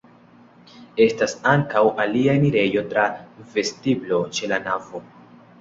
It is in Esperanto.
Estas ankaŭ alia enirejo tra vestiblo ĉe la navo.